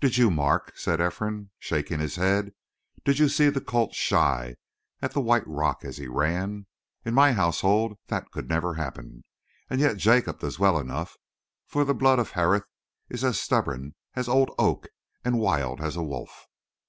"Did you mark?" said Ephraim, shaking his head. "Did you see the colt shy at the white rock as he ran? In my household that could never happen; and yet Jacob does well enough, for the blood of Harith is as stubborn as old oak and wild as a wolf.